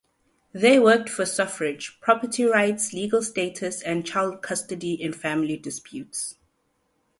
They worked for suffrage, property rights, legal status and child custody in family disputes.